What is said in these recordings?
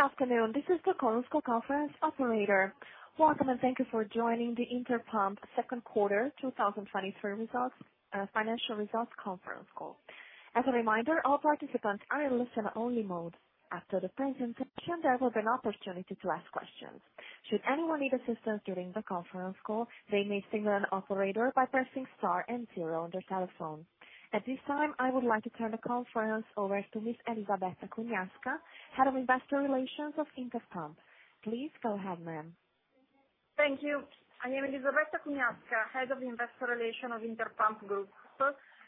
Good afternoon, this is the conference call conference operator. Welcome, and thank you for joining the Interpump second quarter 2023 results, financial results conference call. As a reminder, all participants are in listen-only mode. After the presentation, there will be an opportunity to ask questions. Should anyone need assistance during the conference call, they may signal an operator by pressing star and zero on their telephone. At this time, I would like to turn the conference over to Ms. Elisabetta Cugnasca, Head of Investor Relations of Interpump. Please go ahead, ma'am. Thank you. I am Elisabetta Cugnasca, Head of Investor Relations of Interpump Group.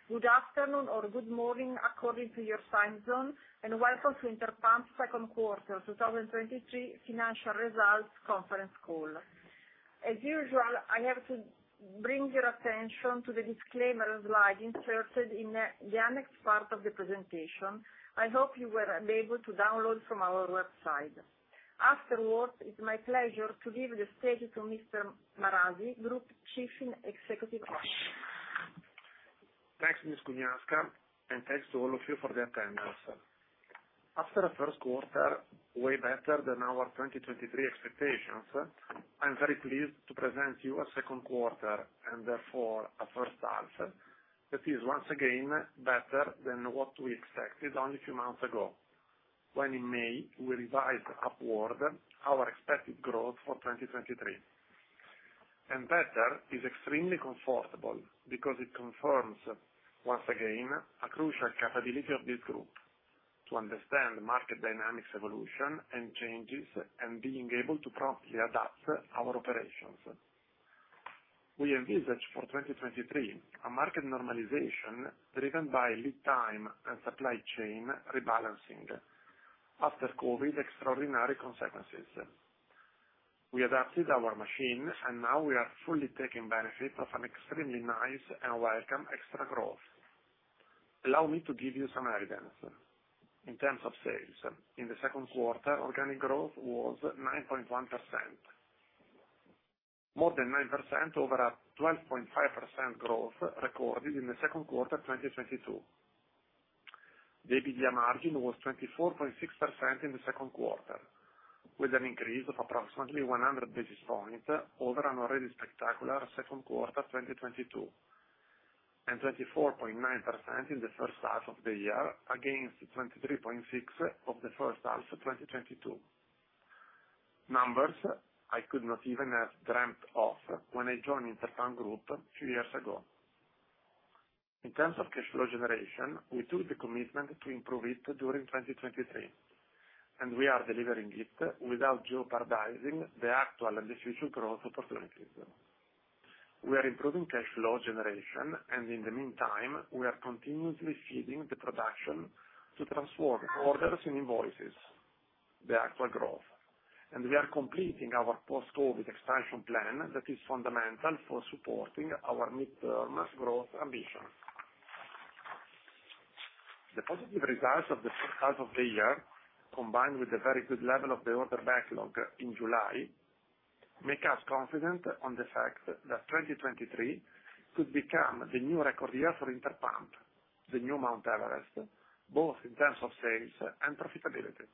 Good afternoon or good morning, according to your time zone, and welcome to Interpump second quarter 2023 financial results conference call. As usual, I have to bring your attention to the disclaimer slide inserted in the, the annex part of the presentation. I hope you were able to download from our website. Afterwards, it's my pleasure to give the stage to Mr. Marasi, Group Chief Executive Officer. Thanks, Ms. Cugnasca, and thanks to all of you for the attendance. After a first quarter, way better than our 2023 expectations, I'm very pleased to present you a second quarter and therefore, a first half, that is once again better than what we expected only a few months ago, when in May, we revised upward our expected growth for 2023. Better is extremely comfortable because it confirms, once again, a crucial capability of this group: to understand market dynamics, evolution, and changes, and being able to promptly adapt our operations. We envisage for 2023, a market normalization driven by lead time and supply chain rebalancing after COVID extraordinary consequences. We adapted our machines, and now we are fully taking benefit of an extremely nice and welcome extra growth. Allow me to give you some evidence. In terms of sales, in the second quarter, organic growth was 9.1%. More than 9% over a 12.5% growth recorded in the second quarter, 2022. The EBITDA margin was 24.6% in the second quarter, with an increase of approximately 100 basis points over an already spectacular second quarter, 2022, and 24.9% in the first half of the year, against 23.6% of the first half of 2022. Numbers I could not even have dreamt of when I joined Interpump Group few years ago. In terms of cash flow generation, we took the commitment to improve it during 2023. We are delivering it without jeopardizing the actual and the future growth opportunities. We are improving cash flow generation, and in the meantime, we are continuously feeding the production to transform orders and invoices, the actual growth. We are completing our post-COVID expansion plan that is fundamental for supporting our midterm growth ambition. The positive results of the first half of the year, combined with the very good level of the order backlog in July, make us confident on the fact that 2023 could become the new record year for Interpump, the new Mount Everest, both in terms of sales and profitability.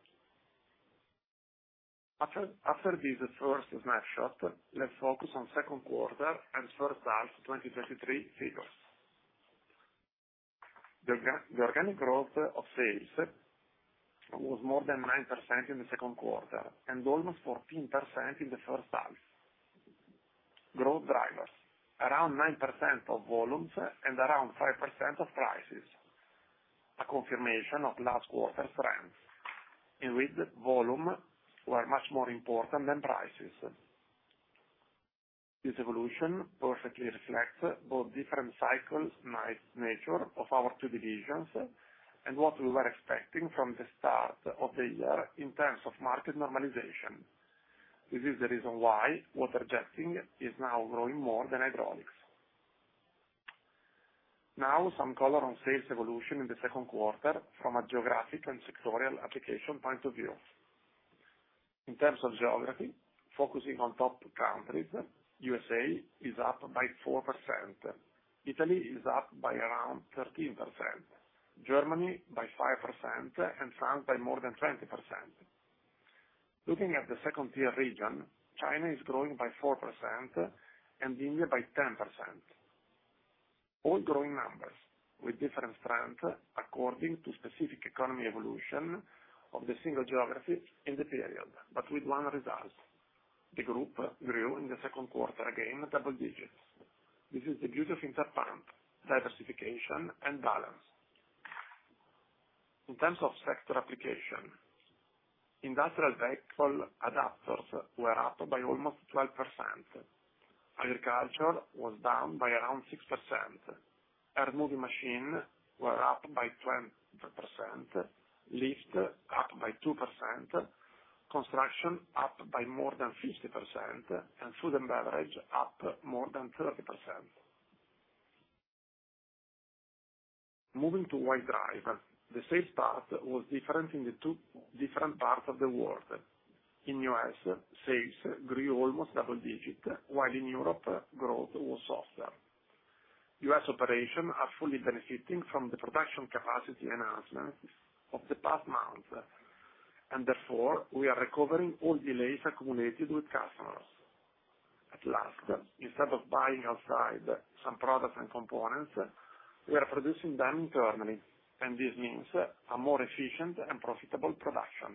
After this first snapshot, let's focus on second quarter and first half 2023 figures. The organic growth of sales was more than 9% in the second quarter and almost 14% in the first half. Growth drivers, around 9% of volumes and around 5% of prices, a confirmation of last quarter trends, in which volume were much more important than prices. This evolution perfectly reflects both different cycles, nature of our two divisions, and what we were expecting from the start of the year in terms of market normalization. This is the reason why Water-Jetting is now growing more than Hydraulics. Now, some color on sales evolution in the second quarter from a geographic and sectoral application point of view. In terms of geography, focusing on top countries, U.S.A. is up by 4%, Italy is up by around 13%, Germany by 5%, and France by more than 20%. Looking at the second tier region, China is growing by 4% and India by 10%. All growing numbers with different strength according to specific economy evolution of the single geography in the period, but with one result, the group grew in the second quarter, again, double digits. This is the beauty of Interpump, diversification and balance. In terms of sector application, industrial vehicle adapters were up by almost 12%. Agriculture was down by around 6%. Earthmoving machine were up by 20%. Lift, up by 2%. Construction, up by more than 50%, and Food & Beverage, up more than 30%. Moving to White Drive, the sales part was different in the two different parts of the world. In U.S., sales grew almost double digit, while in Europe, growth was softer. U.S. operation are fully benefiting from the production capacity enhancements of the past months, and therefore, we are recovering all delays accumulated with customers. At last, instead of buying outside some products and components, we are producing them internally, and this means a more efficient and profitable production.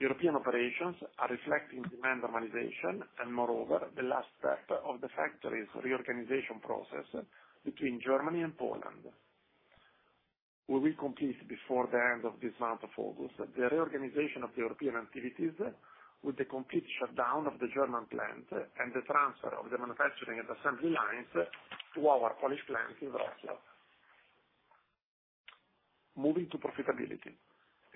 European operations are reflecting demand normalization, and moreover, the last step of the factory reorganization process between Germany and Poland, where we complete before the end of this month of August, the reorganization of the European activities with the complete shutdown of the German plant and the transfer of the manufacturing and assembly lines to our Polish plant in Wroclaw. Moving to profitability.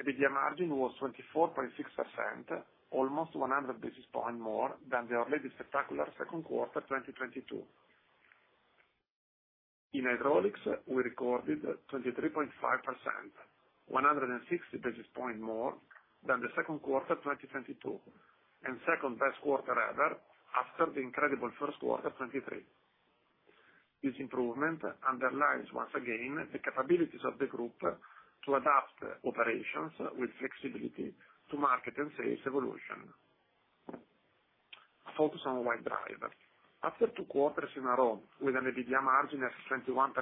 EBITDA margin was 24.6%, almost 100 basis points more than the already spectacular second quarter 2022. In Hydraulics, we recorded 23.5%, 160 basis points more than the second quarter 2022, and second best quarter ever after the incredible first quarter 2023. This improvement underlines once again, the capabilities of the group to adapt operations with flexibility to market and sales evolution. Focus on White Drive. After two quarters in a row with an EBITDA margin of 21%,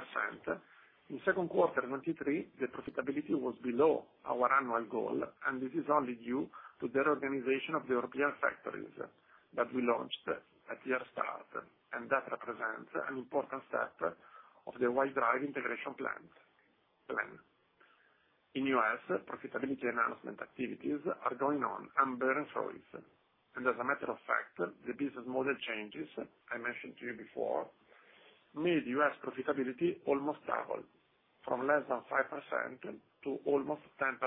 in second quarter 2023, the profitability was below our annual goal, and this is only due to the reorganization of the European factories that we launched at year start, and that represents an important step of the White Drive integration plan. In U.S., profitability enhancement activities are going on and bearing fruits, and as a matter of fact, the business model changes I mentioned to you before, made U.S. profitability almost double from less than 5% to almost 10%.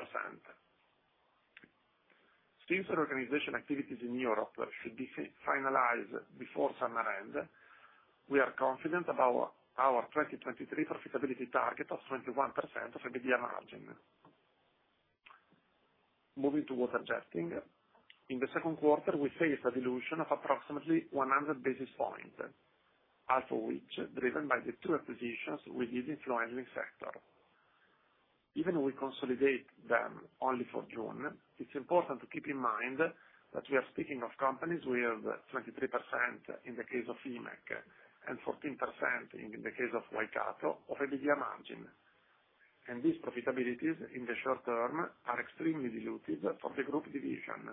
Since the organization activities in Europe should be finalized before summer end, we are confident about our 2023 profitability target of 21% of EBITDA margin. Moving towards adjusting. In the second quarter, we faced a dilution of approximately 100 basis points, half of which driven by the two acquisitions within the Fluid Handling sector. Even we consolidate them only for June, it's important to keep in mind that we are speaking of companies with 23% in the case of IMEC and 14% in the case of Waikato, of EBITDA margin. These profitabilities, in the short term, are extremely dilutive for the group division,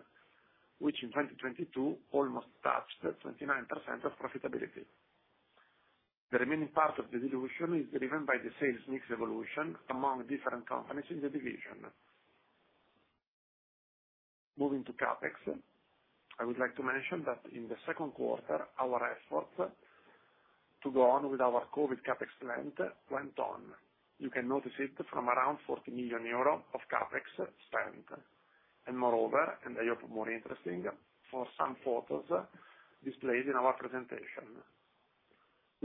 which in 2022 almost touched 29% of profitability. The remaining part of the dilution is driven by the sales mix evolution among different companies in the division. Moving to CapEx. I would like to mention that in the second quarter, our efforts to go on with our COVID CapEx plan went on. You can notice it from around 40 million euro of CapEx spent, moreover, and I hope more interesting, for some photos displayed in our presentation.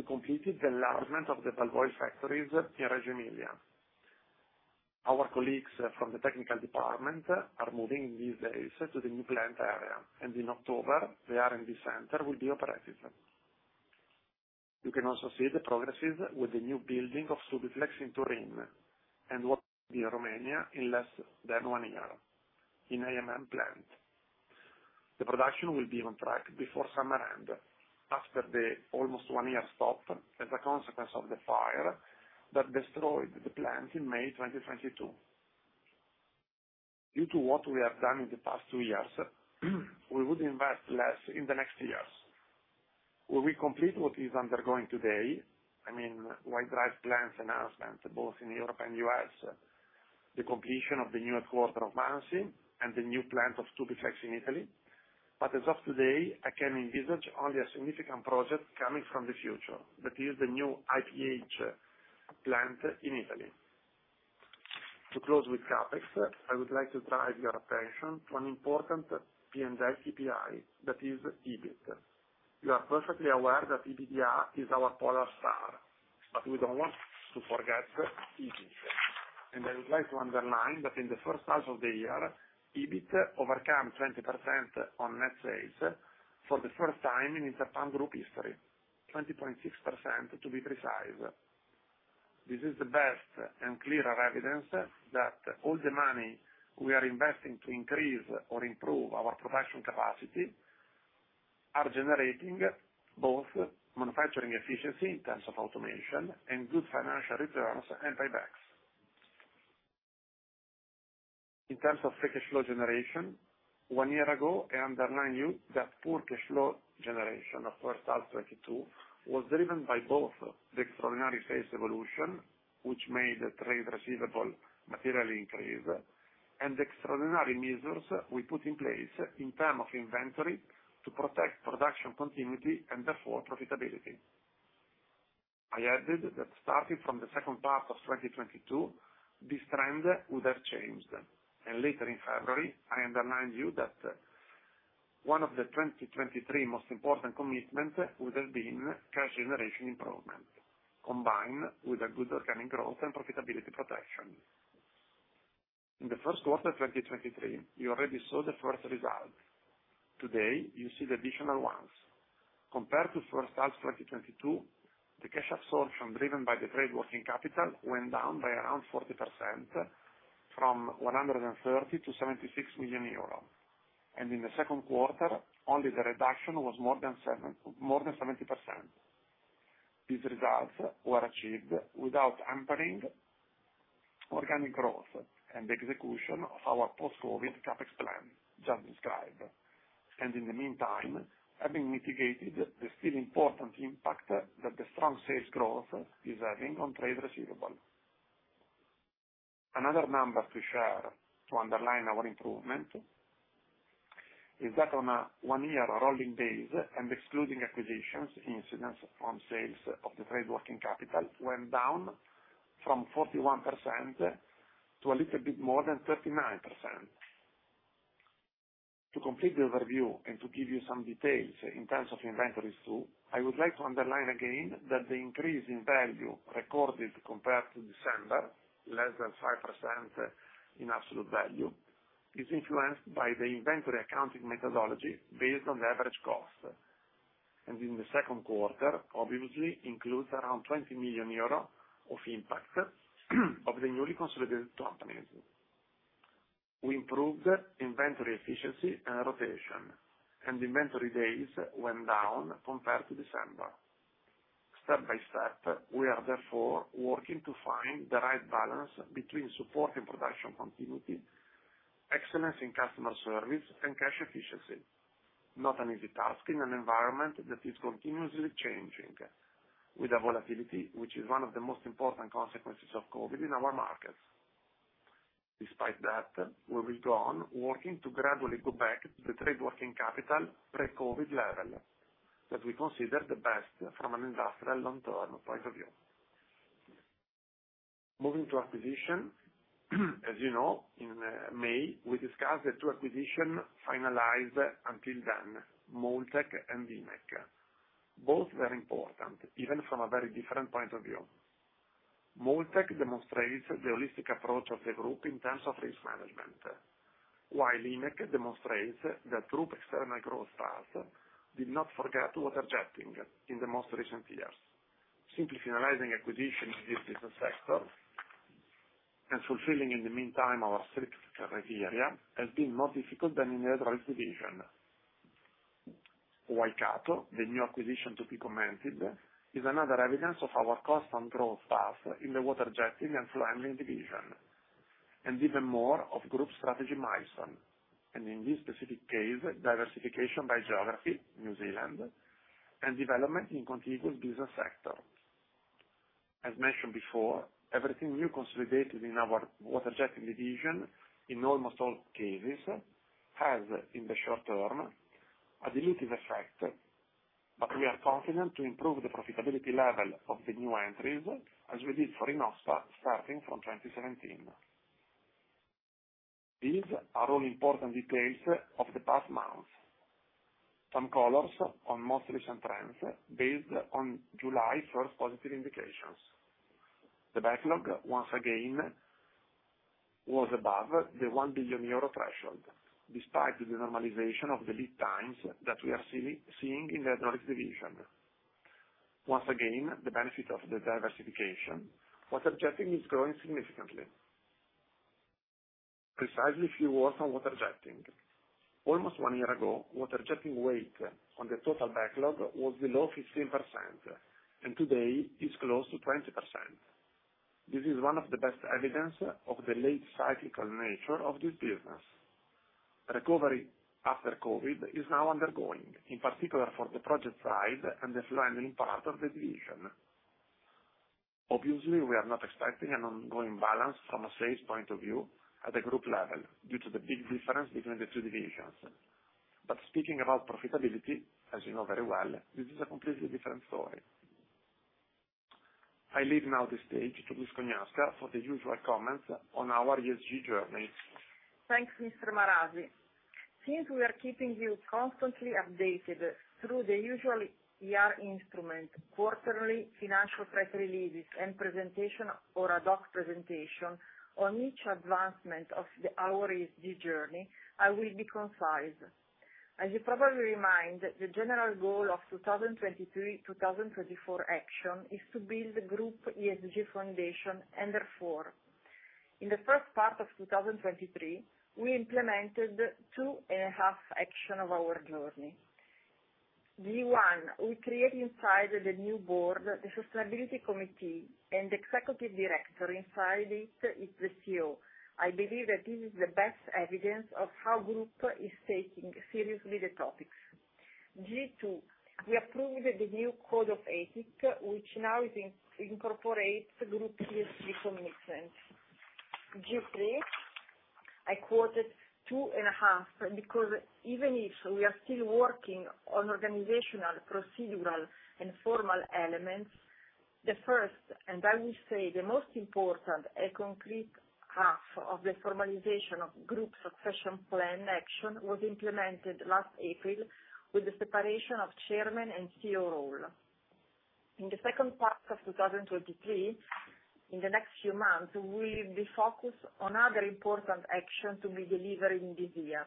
We completed the enlargement of the Walvoil factories in Reggio Emilia. Our colleagues from the technical department are moving in these days to the new plant area, in October, the R&D center will be operating. You can also see the progresses with the new building of Stabiflex in Turin and what in Romania in less than one year in AMM plant. The production will be on track before summer end, after the almost one-year stop as a consequence of the fire that destroyed the plant in May 2022. Due to what we have done in the past two years, we would invest less in the next years. When we complete what is undergoing today, I mean, White Drive plans enhancement, both in Europe and U.S., the completion of the newest quarter of Muncie, and the new plant of Stabiflex in Italy. As of today, I can envisage only a significant project coming from the future, that is the new IPH plant in Italy. To close with CapEx, I would like to drive your attention to an important P&L KPI, that is EBIT. You are perfectly aware that EBITDA is our polar star, but we don't want to forget EBIT. I would like to underline that in the first half of the year, EBIT overcame 20% on net sales for the first time in Interpump Group history, 20.6% to be precise. This is the best and clearer evidence that all the money we are investing to increase or improve our production capacity, are generating both manufacturing efficiency in terms of automation and good financial returns and buybacks. In terms of free cash flow generation, one year ago, I underlined you that poor cash flow generation of first half 2022 was driven by both the extraordinary sales evolution, which made the trade receivable materially increase, and the extraordinary measures we put in place in term of inventory to protect production continuity and therefore, profitability. I added that starting from the second half of 2022, this trend would have changed. Later in February, I underlined you that one of the 2023 most important commitment would have been cash generation improvement, combined with a good organic growth and profitability protection. In the first quarter 2023, you already saw the first result. Today, you see the additional ones. Compared to first half 2022, the cash absorption driven by the trade working capital went down by around 40%, from 130 million-76 million euro. In the second quarter, only the reduction was more than 70%. These results were achieved without hampering organic growth and the execution of our post-COVID CapEx plan just described, and in the meantime, having mitigated the still important impact that the strong sales growth is having on trade receivable. Another number to share to underline our improvement, is that on a one-year rolling days and excluding acquisitions, incidence on sales of the trade working capital went down from 41% to a little bit more than 39%. To complete the overview and to give you some details in terms of inventories, too, I would like to underline again that the increase in value recorded compared to December, less than 5% in absolute value, is influenced by the inventory accounting methodology based on the average cost, and in the second quarter, obviously includes around 20 million euro of impact, of the newly consolidated companies. We improved inventory efficiency and rotation, and inventory days went down compared to December. Step by step, we are therefore working to find the right balance between supporting production continuity, excellence in customer service, and cash efficiency. Not an easy task in an environment that is continuously changing, with a volatility, which is one of the most important consequences of COVID in our markets. Despite that, we will go on working to gradually go back to the trade working capital pre-COVID level, that we consider the best from an industrial long-term point of view. Moving to acquisition, as you know, in May, we discussed the two acquisition finalized until then, Moltech and Vimec. Both were important, even from a very different point of view. Moltech demonstrates the holistic approach of the group in terms of risk management, while Vimec demonstrates that group external growth path did not forget water jetting in the most recent years. Simply finalizing acquisition in this business sector and fulfilling, in the meantime, our strict criteria, has been more difficult than in the Hydraulic division. Waikato, the new acquisition to be commented, is another evidence of our constant growth path in the Water-Jetting and [Fluid Handling] division, and even more of group strategy milestone, and in this specific case, diversification by geography, New Zealand, and development in contiguous business sector. As mentioned before, everything new consolidated in our Water-Jetting division, in almost all cases, has, in the short term, a dilutive effect, but we are confident to improve the profitability level of the new entries, as we did for Inoxpa, starting from 2017. These are all important details of the past month. Some colors on most recent trends, based on July 1st positive indications. The backlog, once again, was above the 1 billion euro threshold, despite the normalization of the lead times that we are seeing in the Hydraulics division. Once again, the benefit of the diversification, Water-Jetting is growing significantly. Precisely, a few words on Water-Jetting. Almost one year ago, Water-Jetting weight on the total backlog was below 15%, and today is close to 20%. This is one of the best evidence of the late cyclical nature of this business. Recovery after COVID is now undergoing, in particular, for the project side and the fly milling part of the division. Obviously, we are not expecting an ongoing balance from a sales point of view at the group level, due to the big difference between the two divisions. Speaking about profitability, as you know very well, this is a completely different story. I leave now the stage to Ms. Cugnasca for the usual comments on our ESG journey. Thanks, Mr. Marasi. Since we are keeping you constantly updated through the usual ER instrument, quarterly financial press releases and presentation or a doc presentation on each advancement of our ESG journey, I will be concise. As you probably remind, the general goal of 2023/2024 action is to build the group ESG foundation, therefore, in the first part of 2023, we implemented 2.5 action of our journey. G1, we create inside the new board, the sustainability committee and the executive director inside it is the CEO. I believe that this is the best evidence of how group is taking seriously the topics. G2, we approved the new code of ethics, which now incorporates group ESG commitments. G3, I quoted 2.5, because even if we are still working on organizational, procedural, and formal elements, the first, and I will say the most important, a concrete half of the formalization of group succession plan action was implemented last April with the separation of chairman and CEO role. In the second part of 2023, in the next few months, we'll be focused on other important actions to be delivered in this year.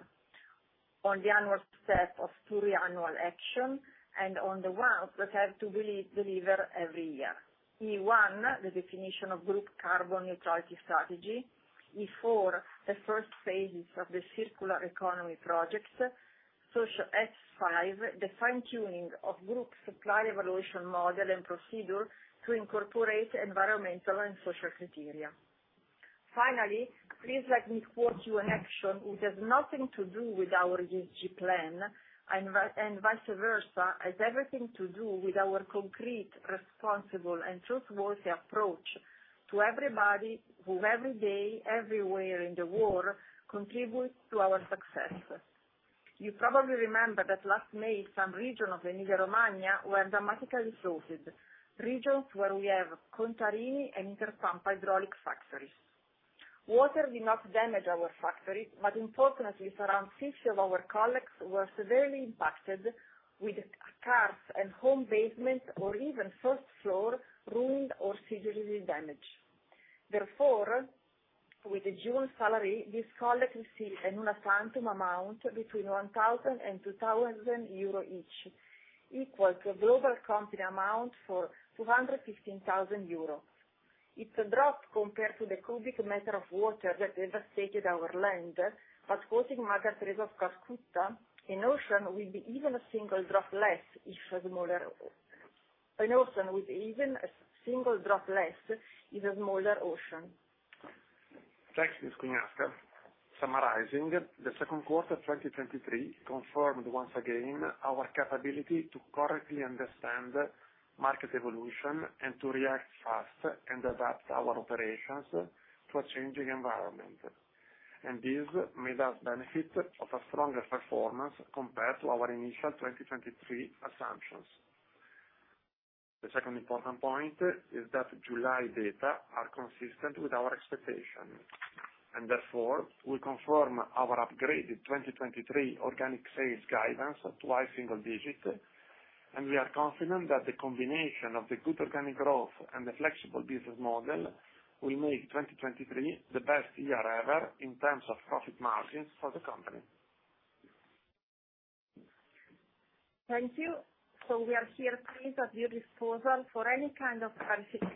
On the annual step of two annual action, and on the ones that have to deliver every year. E1, the definition of group carbon neutrality strategy. E4, the first phases of the circular economy projects. Social S5, the fine-tuning of group supply evaluation model and procedure to incorporate environmental and social criteria. Finally, please let me quote you an action, which has nothing to do with our ESG plan and vice versa, has everything to do with our concrete, responsible, and trustworthy approach to everybody who every day, everywhere in the world, contributes to our success. You probably remember that last May, some region of Emilia-Romagna were dramatically flooded. Regions where we have Contarini and Interpump hydraulic factories. Water did not damage our factories, but importantly, around 50 of our colleagues were severely impacted, with cars and home basement or even first floor ruined or seriously damaged. Therefore, with the June salary, these colleagues received a lump sum amount between 1,000-2,000 euro each, equal to a global company amount for 215,000 euro. It's a drop compared to the cubic meter of water that devastated our land, quoting Mother Teresa of Calcutta, "An ocean will be even a single drop less if a smaller an ocean with even a single drop less is a smaller ocean. Thank you, Ms. Cugnasca. Summarizing, the second quarter of 2023 confirmed once again our capability to correctly understand market evolution and to react fast and adapt our operations to a changing environment. This made us benefit of a stronger performance compared to our initial 2023 assumptions. The second important point is that July data are consistent with our expectations, therefore we confirm our upgraded 2023 organic sales guidance of twice single digit, and we are confident that the combination of the good organic growth and the flexible business model will make 2023 the best year ever in terms of profit margins for the company. Thank you. We are here, please, at your disposal for any kind of clarification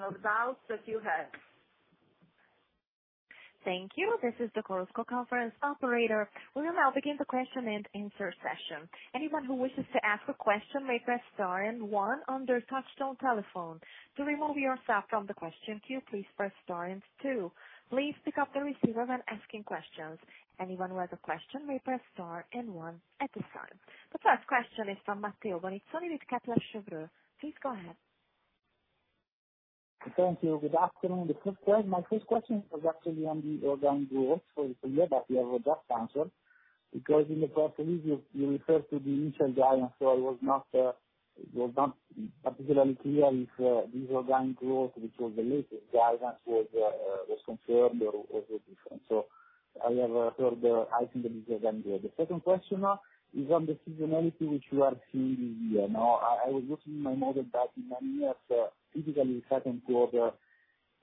or doubts that you have. Thank you. This is the Chorus Call Conference Operator. We will now begin the question and answer session. Anyone who wishes to ask a question may press star and one on their touchtone telephone. To remove yourself from the question queue, please press star and two. Please pick up the receiver when asking questions. Anyone who has a question may press star and one at this time. The first question is from Matteo Bonizzoni with Kepler Cheuvreux. Please go ahead. Thank you. Good afternoon. The first question-- my first question was actually on the organic growth for the year. We have just answered, because in the press release, you, you referred to the initial guidance, I was not, was not particularly clear if this organic growth, which was the latest guidance, was confirmed or, or was different. I have heard the, I think this is then good. The second question is on the seasonality, which you are seeing this year. I, I was looking my model back in many years. Typically, the second quarter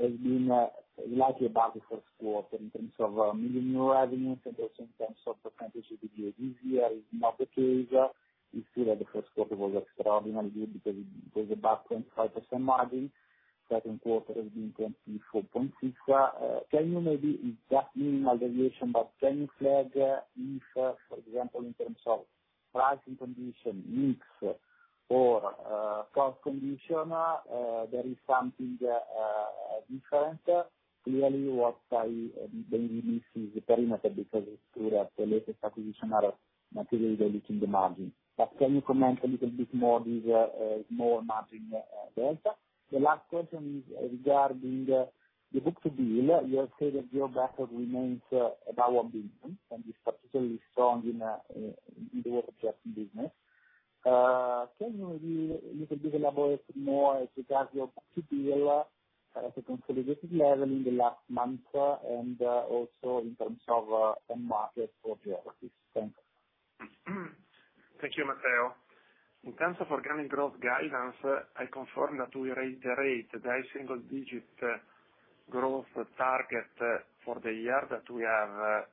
has been likely about the first quarter in terms of million new revenues and also in terms of percentage of the year. This year is not the case. We see that the first quarter was extraordinarily good because it was about 0.5% margin. second quarter has been 24.6%. Can you maybe, it's that minimal deviation, but can you flag if, for example, in terms of pricing condition, mix or cost condition, there is something different? Clearly, what I maybe miss is the perimeter, because it's true that the latest acquisition are materially releasing the margin. Can you comment a little bit more this more margin delta? The last question is regarding the book-to-bill. You have said that your backlog remains about 1 billion, and it's particularly strong in the water business. Can you maybe a little bit elaborate more regarding your book-to-bill at a consolidated level in the last month, and also in terms of the market for geographies? Thank you. Thank you, Matteo. In terms of organic growth guidance, I confirm that we reiterate the high-single-digit growth target for the year that we have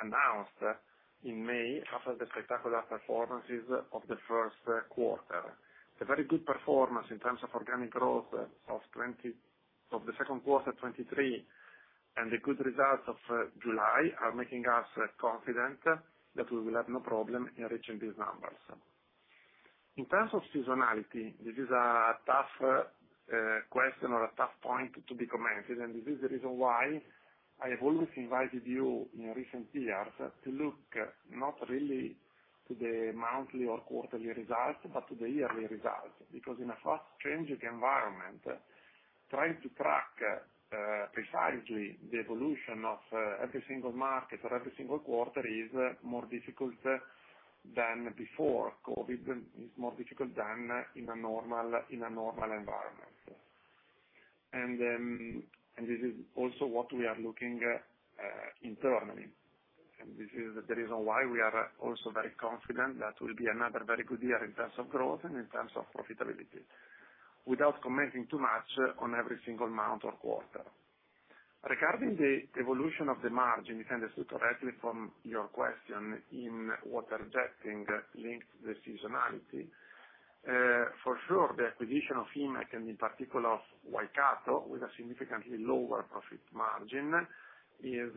announced in May, after the spectacular performances of the first quarter. A very good performance in terms of organic growth of the second quarter 2023, and the good results of July, are making us confident that we will have no problem in reaching these numbers. In terms of seasonality, this is a tough question or a tough point to be commented, and this is the reason why I have always invited you in recent years to look not really to the monthly or quarterly results, but to the yearly results. Because in a fast-changing environment, trying to track, precisely the evolution of, every single market or every single quarter is more difficult than before. COVID is more difficult than in a normal, in a normal environment. This is also what we are looking at, internally, and this is the reason why we are also very confident that will be another very good year in terms of growth and in terms of profitability, without commenting too much on every single month or quarter. Regarding the evolution of the margin, you can understood correctly from your question in Water-Jetting linked the seasonality. For sure, the acquisition of IMEC, and in particular of Waikato, with a significantly lower profit margin, is,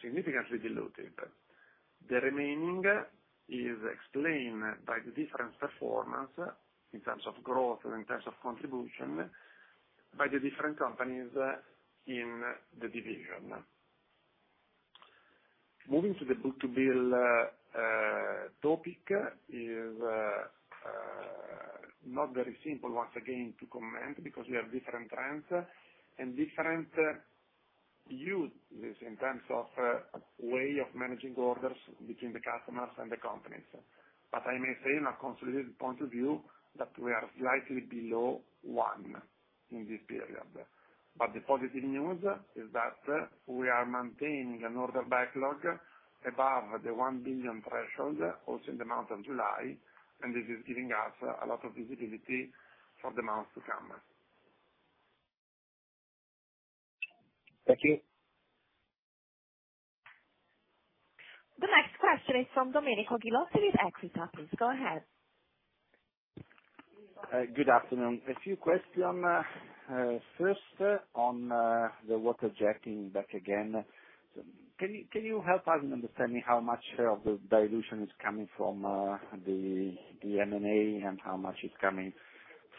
significantly dilutive. The remaining is explained by the different performance in terms of growth and in terms of contribution by the different companies in the division. Moving to the book-to-bill topic is not very simple once again to comment, because we have different trends and different uses in terms of way of managing orders between the customers and the companies. I may say in a consolidated point of view, that we are slightly below one in this period. The positive news is that we are maintaining an order backlog above the 1 billion threshold, also in the month of July, and this is giving us a lot of visibility for the months to come. Thank you. The next question is from Domenico Ghilotti with Equita. Please, go ahead. Good afternoon. A few question. First, on the Water-Jetting, back again. Can you, can you help us understanding how much of the dilution is coming from the M&A and how much is coming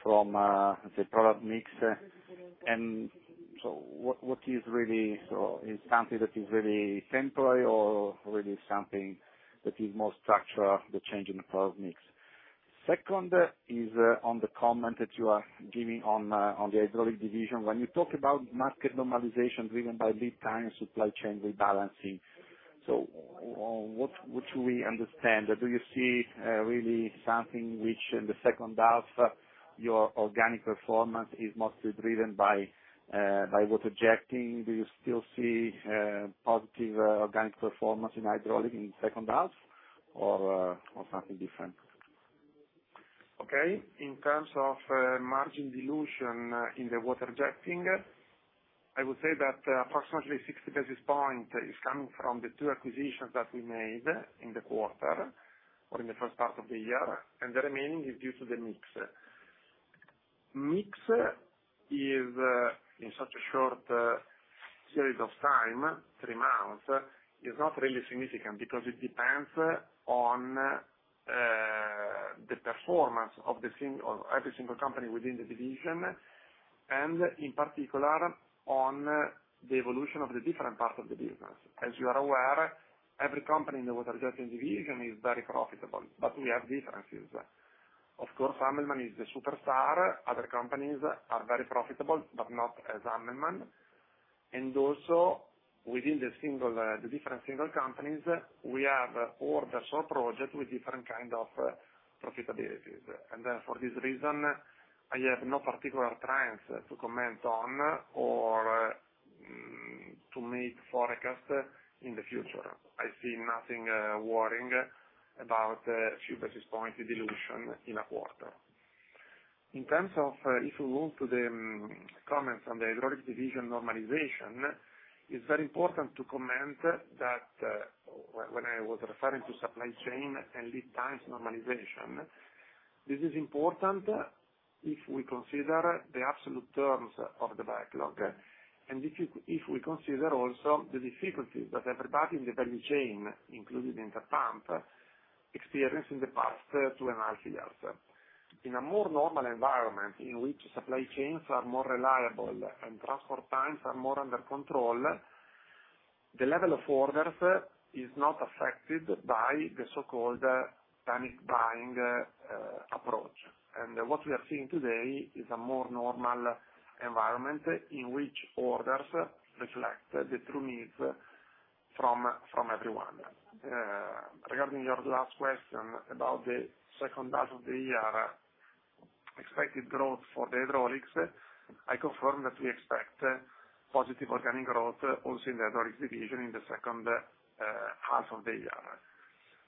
from the product mix? What, what is really, so is something that is really temporary or really something that is more structural, the change in the product mix? Second, is on the comment that you are giving on the Hydraulics division. When you talk about market normalization driven by lead time, supply chain rebalancing, what, what should we understand? Do you see really something which in the second half, your organic performance is mostly driven by Water-Jetting? Do you still see positive organic performance in Hydraulics in second half, or something different? Okay. In terms of margin dilution in the Water-Jetting, I would say that approximately 60 basis point is coming from the two acquisitions that we made in the quarter or in the first part of the year, and the remaining is due to the mix. Mix is in such a short series of time, three months, is not really significant because it depends on the performance of every single company within the division, and in particular, on the evolution of the different parts of the business. As you are aware, every company in the Water-Jetting division is very profitable, but we have differences. Of course, [Ammann] is the superstar. Other companies are very profitable, but not as [Ammann]. Also, within the single, the different single companies, we have orders or project with different kind of profitabilities. For this reason, I have no particular trends to comment on or to make forecast in the future. I see nothing worrying about 3 basis points dilution in a quarter. In terms of, if you move to the comments on the Hydraulics division normalization, it's very important to comment that when I was referring to supply chain and lead times normalization, this is important if we consider the absolute terms of the backlog, and if we consider also the difficulties that everybody in the value chain, including Interpump, experienced in the past 2.5 years. In a more normal environment, in which supply chains are more reliable and transport times are more under control, the level of orders is not affected by the so-called panic buying approach. What we are seeing today is a more normal environment in which orders reflect the true needs from, from everyone. Regarding your last question about the second half of the year, expected growth for the Hydraulics, I confirm that we expect positive organic growth also in the Hydraulics division in the second half of the year.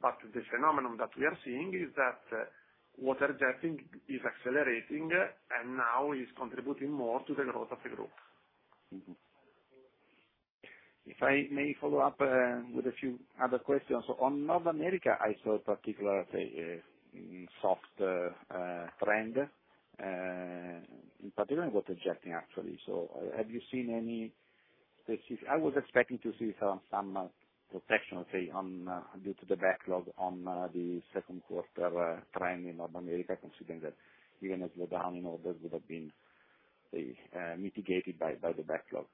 The phenomenon that we are seeing is that Water-Jetting is accelerating, and now is contributing more to the growth of the group. Mm-hmm. If I may follow up with a few other questions. On North America, I saw a particularly soft trend in particular in Water-Jetting, actually. Have you seen any specific... I was expecting to see some, some protection, okay, on due to the backlog on the second quarter trend in North America, considering that even a slowdown in orders would have been mitigated by, by the backlog.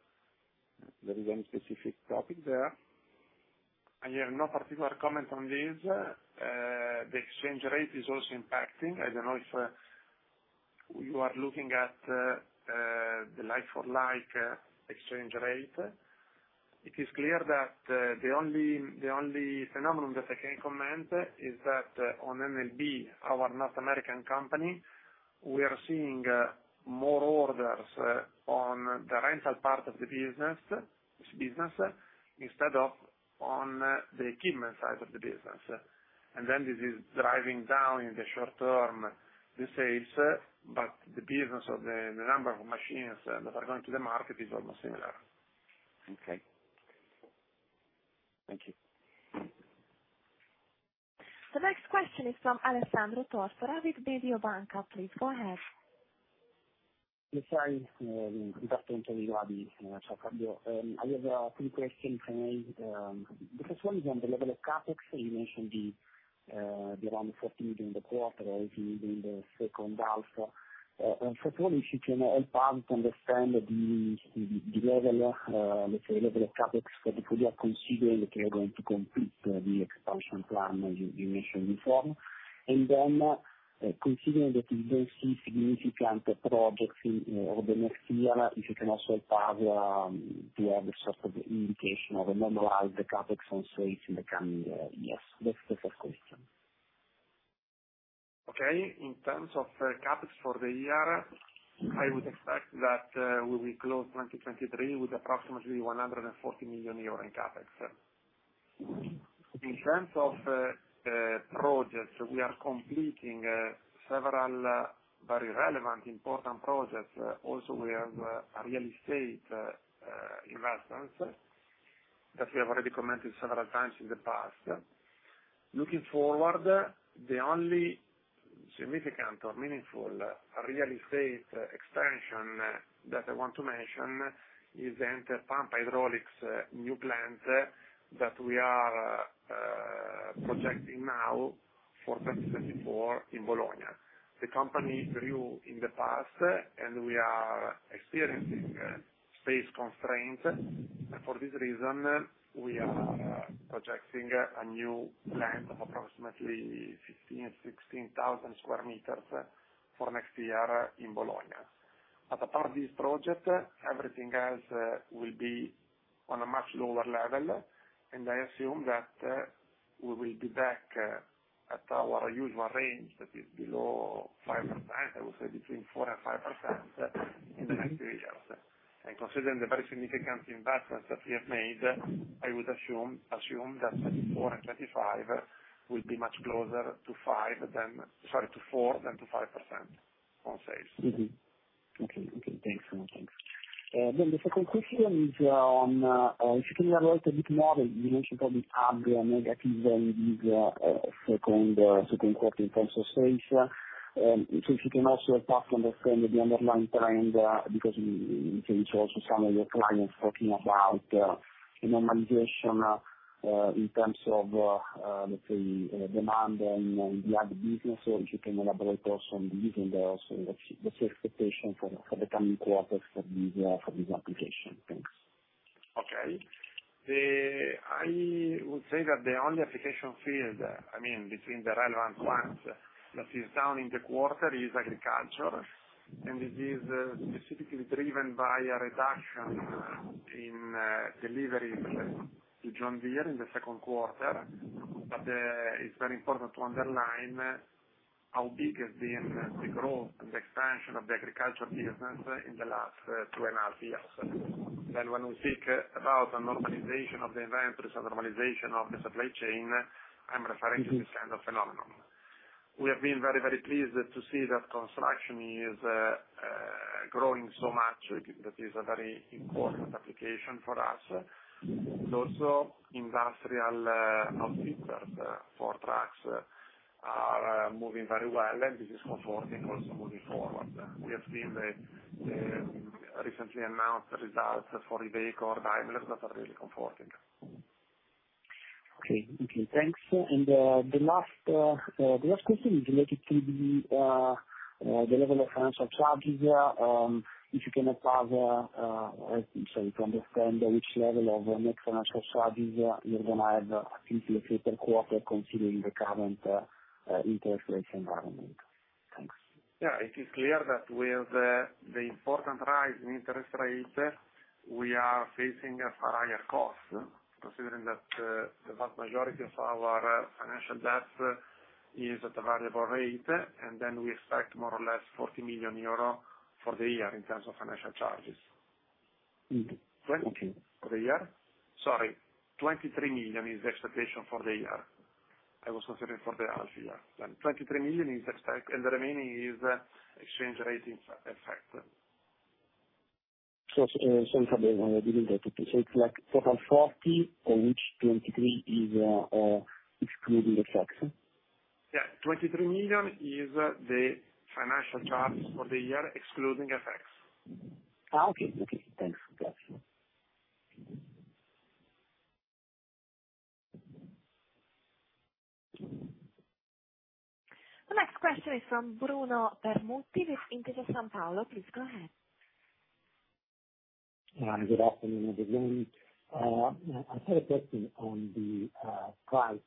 There is any specific topic there? I have no particular comment on this. The exchange rate is also impacting. I don't know if you are looking at the like-for-like exchange rate. It is clear that the only, the only phenomenon that I can comment is that on NLB, our North American company, we are seeing more orders on the rental part of the business, this business, instead of on the equipment side of the business. This is driving down in the short term, the sales, but the business of the, the number of machines that are going to the market is almost similar. Okay. Thank you. The next question is from Alessandro Tortora, with Mediobanca. Please, go ahead. Yes, hi, thanks for. I have a few questions for you. The first one is on the level of CapEx. You mentioned the around 40 million in the quarter, 18 million in the second half. First of all, if you can help us to understand the level, let's say, level of CapEx that you are considering to going to complete the expansion plan you mentioned before. Then, considering that you don't see significant projects over the next year, if you can also help us to have sort of the indication of the number of the CapEx on sales in the coming years. That's the first question. Okay. In terms of CapEx for the year, I would expect that we will close 2023 with approximately 140 million euro in CapEx. In terms of projects, we are completing several very relevant, important projects. Also, we have a real estate investment that we have already commented several times in the past. Looking forward, the only significant or meaningful real estate expansion that I want to mention, is the Panni Hydraulics new plant that we are projecting now for 2024 in Bologna. The company grew in the past, and we are experiencing space constraints. For this reason, we are projecting a new plant of approximately 15,000 sqm-16,000 sqm for next year in Bologna. As a part of this project, everything else, will be on a much lower level, and I assume that, we will be back, at our usual range, that is below 5%. I would say between 4% and 5% in the next two years. Considering the very significant investments that we have made, I would assume, assume that 2024 and 2025 will be much closer to 5% than... Sorry, to 4% than to 5% on sales. Okay, okay. Thanks a lot. Thanks. The second question is on if you can elaborate a bit more, you mentioned about the agri negative in the second quarter in terms of sales. If you can also help us to understand the underlying trend, because we, we can reach also some of your clients talking about the normalization in terms of let's say demand and the agri business. If you can elaborate also on this, and also what's, what's the expectation for, for the coming quarters, for this for this application? Thanks. Okay. The... I would say that the only application field, I mean, between the relevant ones, that is down in the quarter is agriculture. It is specifically driven by a reduction in deliveries to John Deere in the second quarter. It's very important to underline how big has been the growth and the expansion of the agriculture business in the last 2.5 years. When we think about the normalization of the inventories and normalization of the supply chain, I'm referring to this kind of phenomenon. We have been very, very pleased to see that construction is growing so much. That is a very important application for us. Also, industrial inaudible for trucks are moving very well, and this is comforting also moving forward. We have seen the, the recently announced results for inaudible are really comforting. Okay. Okay, thanks. The last question is related to the level of financial charges. If you can help us to understand which level of net financial charges you're going to have into the future quarter, considering the current interest rate environment. Thanks. Yeah, it is clear that with the important rise in interest rates, we are facing a higher cost, considering that the vast majority of our financial debt is at a variable rate, and then we expect more or less 40 million euro for the year in terms of financial charges. Mm-hmm. Okay. For the year? Sorry, 23 million is the expectation for the year. I was considering for the half year. 23 million is expect, and the remaining is exchange rate in effect. It's like total 40 million, of which 23 million is excluding effects? Yeah, 23 million is the financial charge for the year, excluding FX. Okay, okay. Thanks for that. The next question is from Bruno Permutti with Intesa Sanpaolo. Please go ahead. Good afternoon, everyone. I had a question on the price-...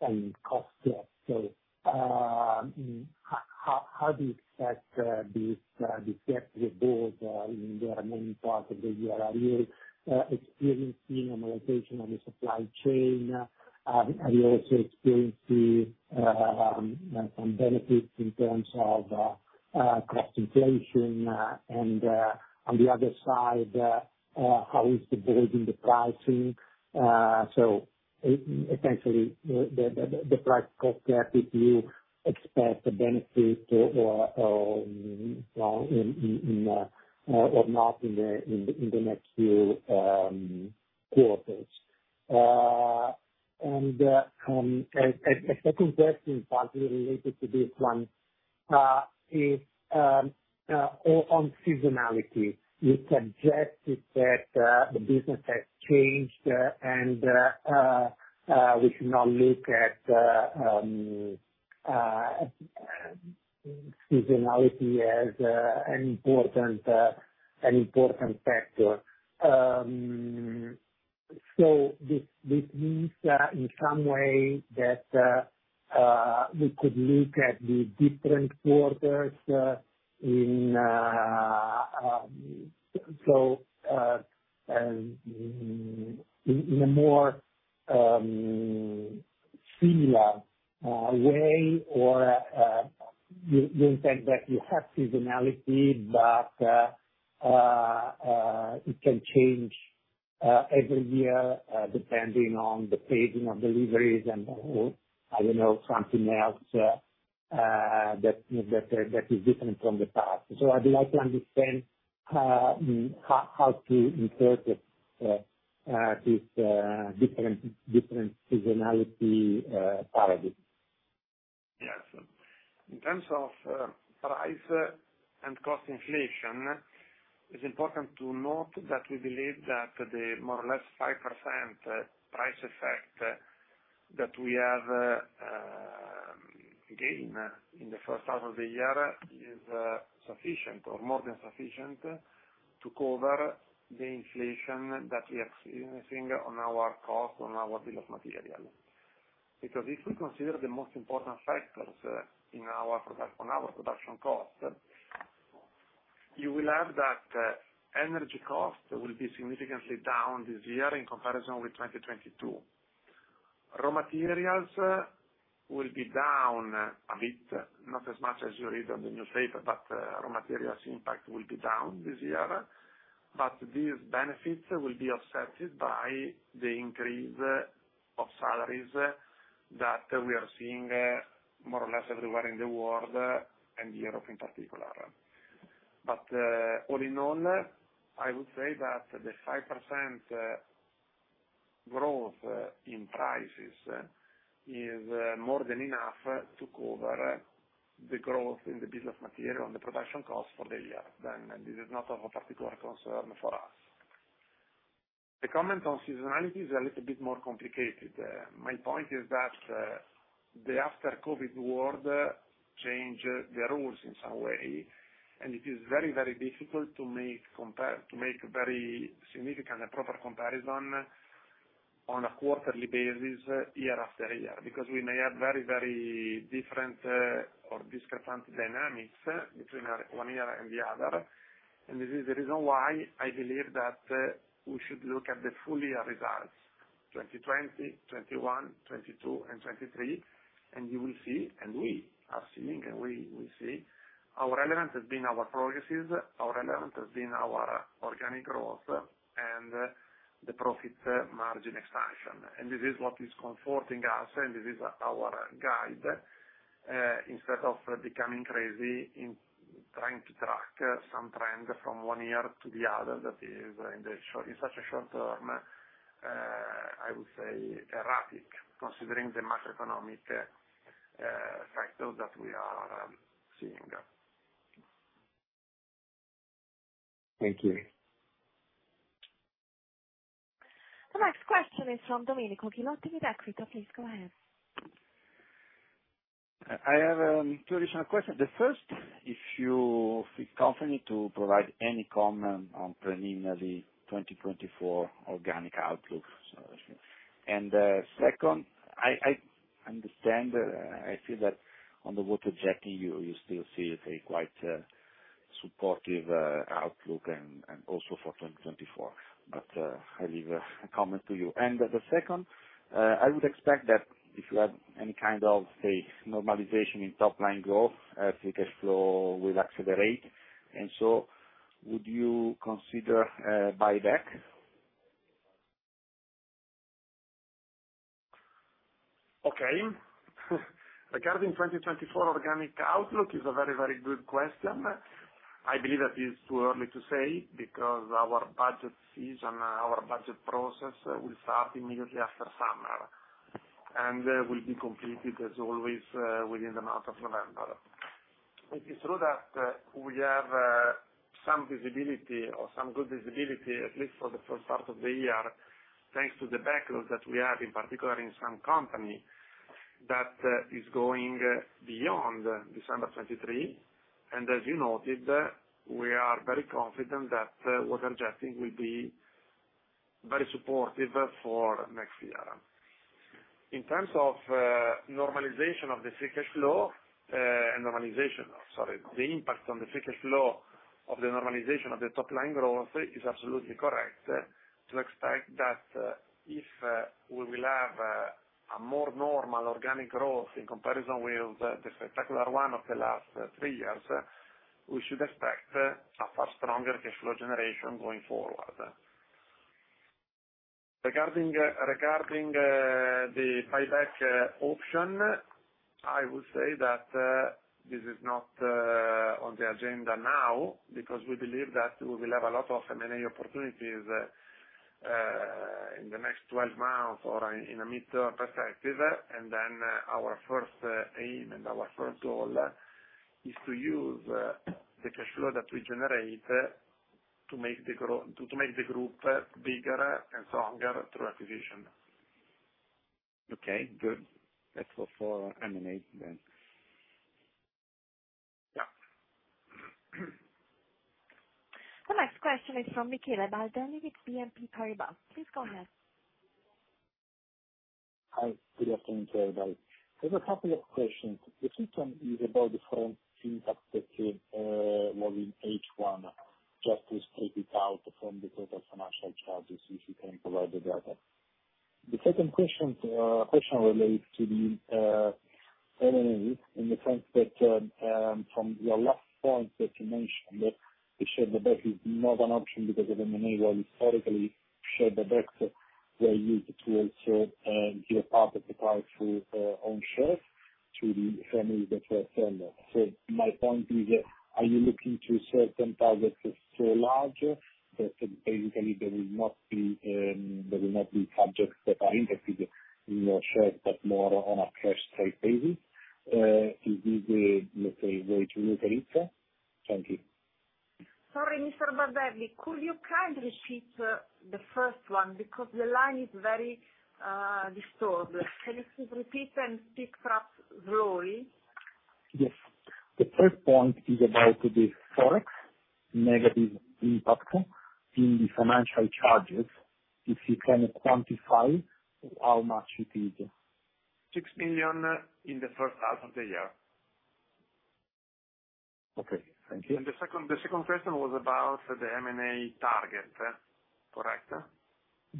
and cost, yeah. How, how do you expect this gap with both in their main part of the year? Are you experiencing a monetization on the supply chain? Are you also experiencing some benefits in terms of cost inflation? On the other side, how is the build in the pricing? The, the, the price cost gap, if you expect a benefit or, or, in, in, in, or not in the, in the, in the next few quarters. A second question partly related to this one, is on seasonality. You suggested that the business has changed, and we should now look at seasonality as an important, an important factor. This, this means, in some way that we could look at the different quarters, in, so, in a more, similar, way, or, the, the fact that you have seasonality but it can change every year, depending on the phasing of deliveries and, I don't know, something else, that, that, that is different from the past. I'd like to understand, how, how to interpret, this, different, different seasonality, paradigm. Yes. In terms of price and cost inflation, it's important to note that we believe that the more or less 5% price effect that we have gained in the first half of the year is sufficient or more than sufficient to cover the inflation that we are experiencing on our cost, on our bill of material. Because if we consider the most important factors in our product, on our production cost, you will have that energy cost will be significantly down this year in comparison with 2022. Raw materials will be down a bit, not as much as you read on the newspaper, but raw materials impact will be down this year. These benefits will be offsetted by the increase of salaries that we are seeing more or less everywhere in the world, and Europe in particular. All in all, I would say that the 5% growth in prices is more than enough to cover the growth in the business material and the production cost for the year, this is not of a particular concern for us. The comment on seasonality is a little bit more complicated. My point is that the after COVID world changed the rules in some way, and it is very, very difficult to make to make very significant and proper comparison on a quarterly basis year after year, because we may have very, very different or different dynamics between one year and the other. This is the reason why I believe that we should look at the full year results, 2020, 2021, 2022 and 2023. You will see, and we are seeing, and we, we see our element has been our progresses, our element has been our organic growth and the profit margin expansion. This is what is comforting us, and this is our guide, instead of becoming crazy in trying to track some trend from one year to the other, that is in the short, in such a short term, I would say erratic, considering the macroeconomic factors that we are seeing. Thank you. The next question is from Domenico Ghilotti with Equita. Please go ahead. I have two additional questions. The first, if you feel confident to provide any comment on preliminarily 2024 organic outlook. Second, I understand, I feel that on the Water-Jetting you, you still see it a quite supportive outlook and also for 2024. I leave a comment to you. Second, I would expect that if you have any kind of say normalization in top-line growth, free cash flow will accelerate. So would you consider buyback? Okay. Regarding 2024 organic outlook is a very, very good question. I believe that it's too early to say because our budget season, our budget process will start immediately after summer, and will be completed as always within the month of November. It is true that we have some visibility or some good visibility, at least for the first part of the year, thanks to the backlog that we have, in particular in some company that is going beyond December 23. As you noted, we are very confident that Water-Jetting will be very supportive for next year. In terms of normalization of the free cash flow, and normalization, sorry, the impact on the free cash flow of the normalization of the top line growth is absolutely correct, to expect that if we will have a more normal organic growth in comparison with the, the spectacular one of the last three years, we should expect a far stronger cash flow generation going forward. Regarding regarding the buyback option, I would say that this is not on the agenda now, because we believe that we will have a lot of M&A opportunities in the next 12 months or in, in a midterm perspective. Our first aim and our first goal is to use the cash flow that we generate to make the group bigger and stronger through acquisition. Okay, good. That's for, for M&A then. Yeah. The next question is from Michele Baldelli with BNP Paribas. Please go ahead. Hi, good afternoon, everybody. There's a couple of questions. The first one is about the foreign impact that came, well, in H1, just to take it out from the total financial charges, if you can provide the data. The second question, question relates to the M&A in the front, but from your last point that you mentioned, that you said the buy is not an option because of M&A, while historically, share buybacks were used to also give part of the price through own shares to the families that were sellers. My point is, are you looking to certain targets that are larger, but basically they will not be, they will not be subject that are interested in more shares, but more on a cash base? Is this the, let's say, way to look at it? Thank you. Sorry, Mr. Baldelli, could you kindly repeat the first one? Because the line is very disturbed. Can you please repeat and speak perhaps slowly? Yes. The first point is about the Forex negative impact in the financial charges, if you can quantify how much it is? 6 million in the first half of the year. Okay, thank you. The second, the second question was about the M&A target, correct?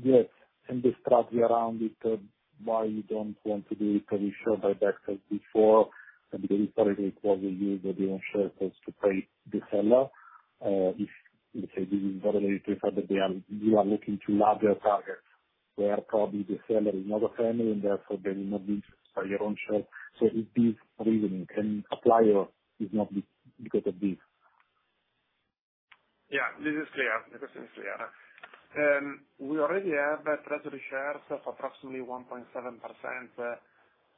Yes, and the strategy around it, why you don't want to do probably share buybacks as before, and historically it was used the own shares to pay the seller, if, let's say, this is related to the fact that you are looking to larger targets, where probably the seller is not a family, and therefore they will not be buy your own share, so if this reasoning can apply or it's not be because of this? Yeah, this is clear. This is clear. We already have treasury shares of approximately 1.7%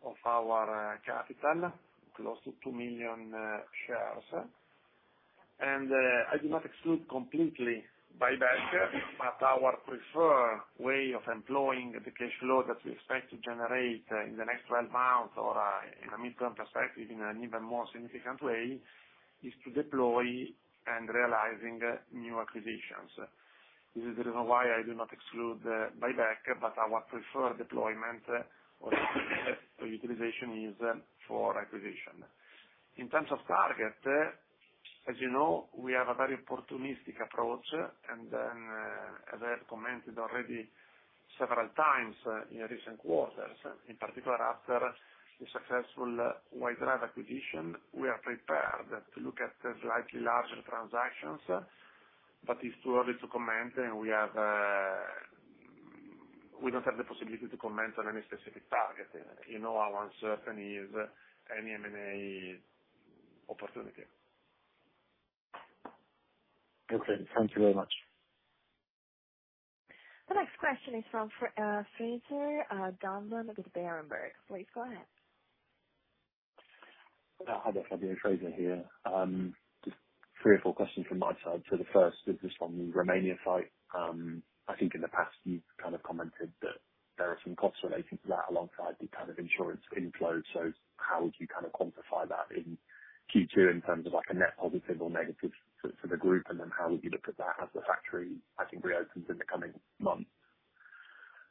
of our capital, close to 2 million shares. I do not exclude completely buyback, but our preferred way of employing the cash flow that we expect to generate in the next 12 months or in a midterm perspective, in an even more significant way, is to deploy and realizing new acquisitions. This is the reason why I do not exclude the buyback, but our preferred deployment or utilization is for acquisition. In terms of target, as you know, we have a very opportunistic approach, and then, as I have commented already several times, in recent quarters, in particular, after the successful White Drive acquisition, we are prepared to look at slightly larger transactions, but it's too early to comment, and we have. We don't have the possibility to comment on any specific target. You know how uncertain is any M&A opportunity. Okay, thank you very much. The next question is from Fraser Donlon with Berenberg. Please go ahead. Hi there, Fabio. Fraser here. Just three or four questions from my side. The first is just on the Romania site. I think in the past you've kind of commented that there are some costs relating to that alongside the kind of insurance inflows. How would you kind of quantify that in Q2, in terms of, like, a net positive or negative for, for the group? Then how would you look at that as the factory, I think, reopens in the coming months.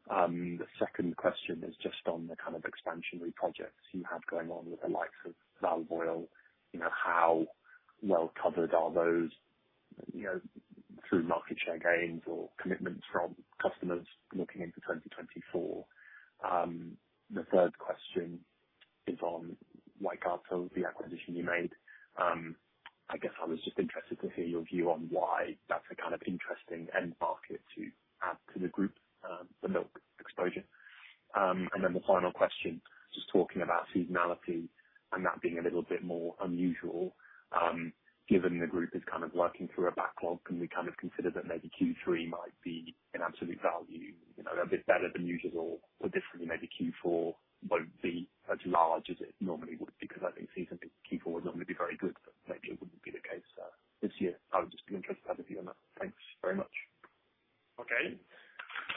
The second question is just on the kind of expansionary projects you have going on with the likes of Valeo. You know, how well covered are those, you know, through market share gains or commitments from customers looking into 2024? The third question is on Waikato, the acquisition you made. I guess I was just interested to hear your view on why that's a kind of interesting end market to add to the group, the milk exposure. The final question, just talking about seasonality and that being a little bit more unusual. Given the group is kind of working through a backlog, can we kind of consider that maybe Q3 might be an absolute value, you know, a bit better than usual, but definitely maybe Q4 won't be as large as it normally would because I think season Q4 would normally be very good, but maybe it wouldn't be the case this year. I would just be interested to have a view on that. Thanks very much. Okay.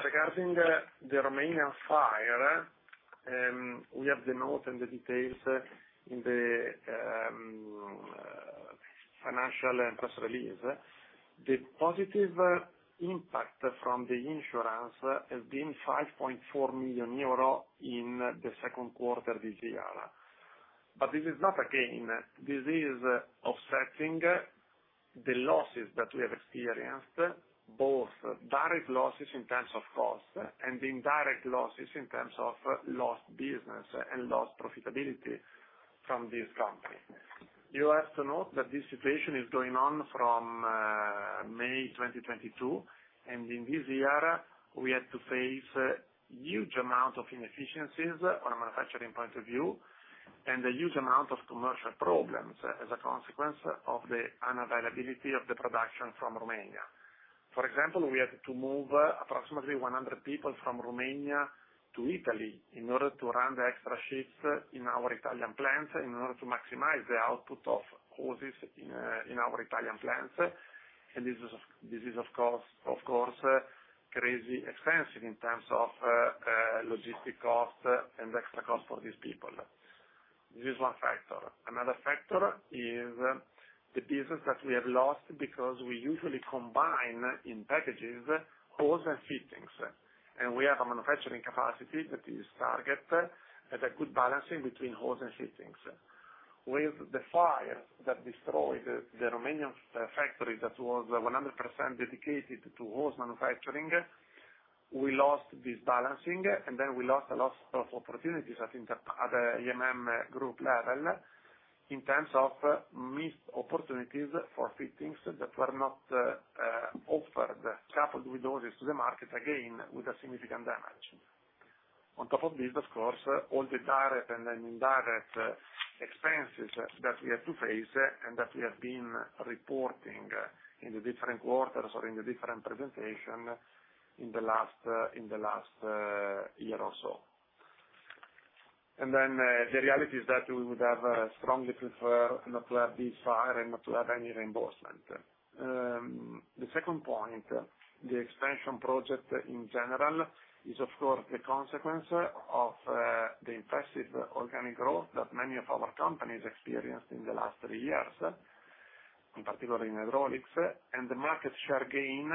Regarding the Romania fire, we have the note and the details in the financial and press release, the positive impact from the insurance has been 5.4 million euro in the second quarter this year. This is not a gain, this is offsetting the losses that we have experienced, both direct losses in terms of cost and indirect losses in terms of lost business and lost profitability from this company. You have to note that this situation is going on from May 2022. In this year, we had to face huge amounts of inefficiencies from a manufacturing point of view, and a huge amount of commercial problems as a consequence of the unavailability of the production from Romania. For example, we had to move approximately 100 people from Romania to Italy in order to run the extra shifts in our Italian plants, in order to maximize the output of hoses in, in our Italian plants. This is, this is, of course, of course, crazy expensive in terms of, logistic cost and extra cost for these people. This is one factor. Another factor is the business that we have lost because we usually combine in packages, hose and fittings, and we have a manufacturing capacity that is target, at a good balancing between hose and fittings. With the fire that destroyed the, the Romanian factory, that was 100% dedicated to hose manufacturing, we lost this balancing, and then we lost a lot of opportunities at the Interpump Group level, in terms of missed opportunities for fittings that were not offered, coupled with hoses to the market, again, with a significant damage. On top of this, of course, all the direct and indirect expenses that we have to face and that we have been reporting in the different quarters or in the different presentation in the last, in the last year or so. The reality is that we would have strongly prefer not to have this fire and not to have any reimbursement. The second point, the expansion project, in general, is of course, a consequence of the impressive organic growth that many of our companies experienced in the last three years, in particular in Hydraulics, and the market share gain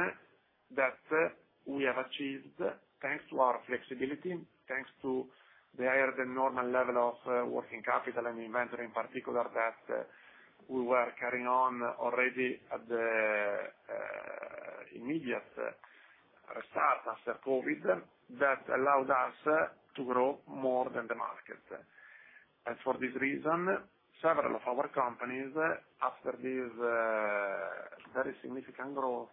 that we have achieved, thanks to our flexibility, thanks to the higher than normal level of working capital and inventory in particular, that we were carrying on already at the immediate restart after COVID, that allowed us to grow more than the market. For this reason, several of our companies, after this very significant growth,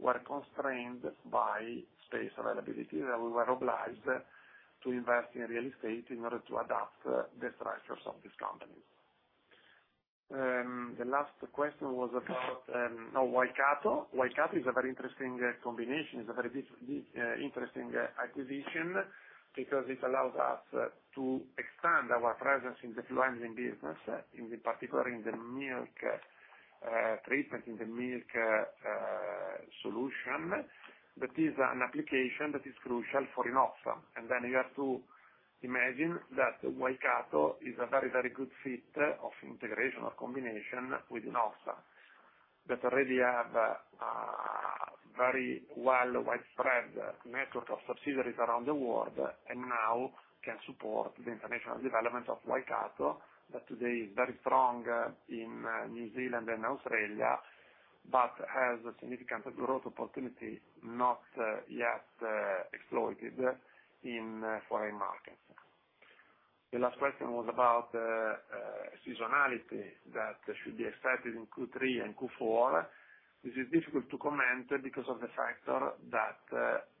were constrained by space availability, that we were obliged to invest in real estate in order to adapt the structures of these companies. The last question was about Waikato. Waikato is a very interesting combination. It's a very big, big, interesting acquisition, because it allows us to extend our presence in the fluid business, in the particular, in the milk treatment, in the milk solution. That is an application that is crucial for Inoxpa. You have to imagine that Waikato is a very, very good fit of integration or combination with Inoxpa, that already have a very well widespread network of subsidiaries around the world, and now can support the international development of Waikato, that today is very strong in New Zealand and Australia, but has a significant growth opportunity, not yet exploited in foreign markets. The last question was about seasonality that should be expected in Q3 and Q4. This is difficult to comment because of the factor that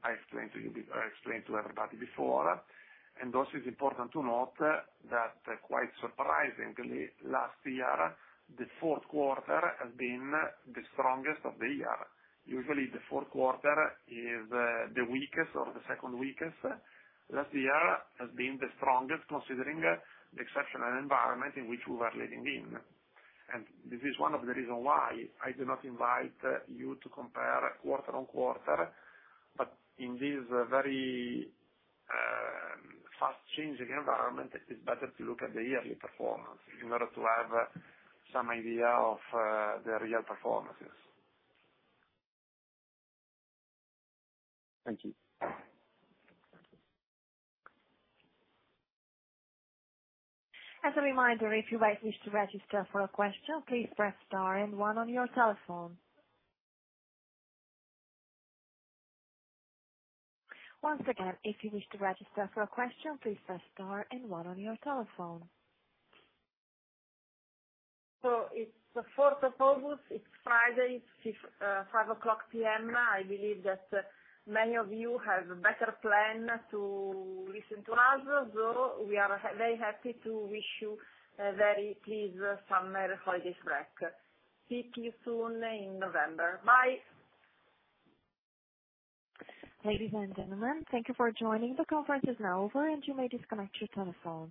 I explained to you, I explained to everybody before. Also, it's important to note that quite surprisingly, last year, the fourth quarter has been the strongest of the year. Usually, the fourth quarter is the weakest or the second weakest. Last year has been the strongest, considering the exceptional environment in which we were living in. This is one of the reason why I do not invite you to compare quarter on quarter, but in this very fast changing environment, it is better to look at the yearly performance in order to have some idea of the real performances. Thank you. As a reminder, if you wish to register for a question, please press star and one on your telephone. Once again, if you wish to register for a question, please press star and one on your telephone. It's the 4th of August. It's Friday, 5:00 P.M. I believe that many of you have a better plan to listen to us, we are very happy to wish you a very pleased summer holiday break. See you soon in November. Bye. Ladies and gentlemen, thank you for joining. The conference is now over, and you may disconnect your telephone.